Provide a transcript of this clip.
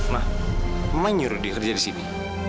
ma ma nyuruh dia kerja di sini